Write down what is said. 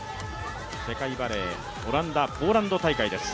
世界バレー、オランダ・ポーランド大会です。